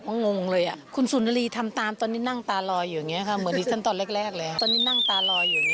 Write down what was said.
วันนี้อาจจะแบบว่านิดหนึ่งวันนี้นิดหนึ่ง